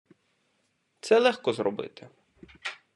Це легко зробити!